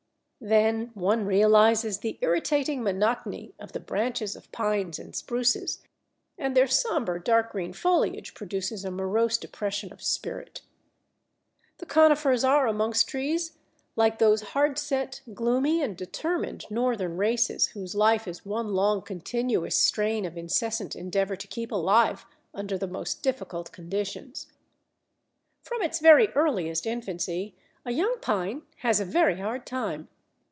Then one realizes the irritating monotony of the branches of Pines and Spruces, and their sombre, dark green foliage produces a morose depression of spirit. The Conifers are, amongst trees, like those hard set, gloomy, and determined Northern races whose life is one long, continuous strain of incessant endeavour to keep alive under the most difficult conditions. From its very earliest infancy a young Pine has a very hard time.